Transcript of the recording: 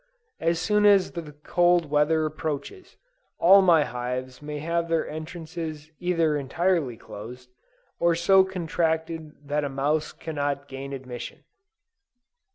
As soon as the cold weather approaches, all my hives may have their entrances either entirely closed, or so contracted that a mouse cannot gain admission.